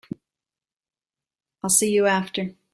I'll see you after.